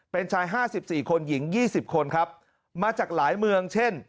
เป็นชาย๕๔คนหญิง๒๐คนครับมาจากหลายเมืองเช่น